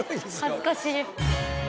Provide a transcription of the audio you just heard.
恥ずかしい。